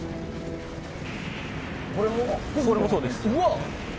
これもそうです。